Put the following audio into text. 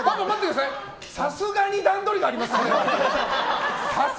さすがに段取りがあります。